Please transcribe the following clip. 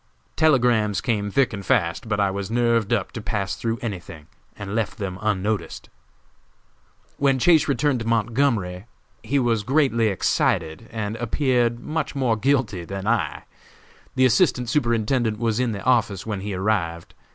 Telegrams came thick and fast, but I was nerved up to pass through anything, and left them unnoticed. "When Chase returned to Montgomery he was greatly excited and appeared much more guilty than I. The Assistant Superintendent was in the office when he arrived.